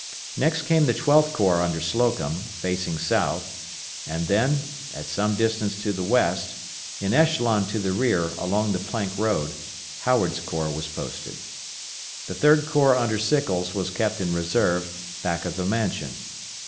Next came the Twelfth Corps under Slocum, facing south, and then, at some distance to the west, in echelon to the rear along the Plank Road, Howard's corps was posted. The Third Corps under Sickles was kept in reserve, back of the mansion.